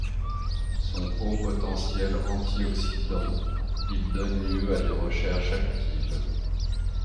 Son haut potentiel antioxydant, il donne lieu à des recherches actives.